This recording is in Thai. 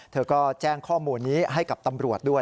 เธอก็แจ้งข้อมูลนี้ให้กับตำรวจด้วย